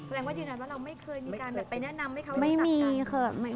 แปลงว่าจริงว่าเราไม่เคยมีการแบบไปแนะนำให้เขารู้สักกัน